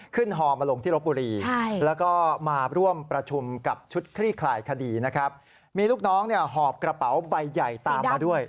ฮอมาลงที่รบบุรีแล้วก็มาร่วมประชุมกับชุดคลี่คลายคดีนะครับมีลูกน้องเนี่ยหอบกระเป๋าใบใหญ่ตามมาด้วย